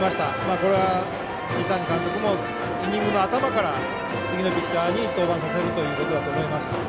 これは、西谷監督もイニングの頭から次のピッチャーに登板させるということだと思います。